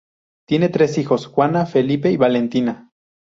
Tiene tres hijos Juana, Felipe y Valentina.